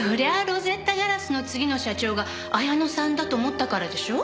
ロゼッタ硝子の次の社長が彩乃さんだと思ったからでしょ？